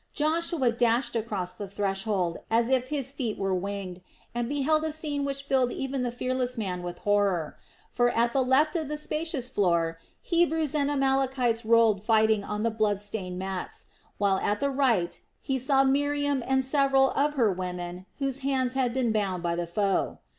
Joshua dashed across the threshold as if his feet were winged and beheld a scene which filled even the fearless man with horror; for at the left of the spacious floor Hebrews and Amalekites rolled fighting on the blood stained mats, while at the right he saw Miriam and several of her women whose hands had been bound by the foe.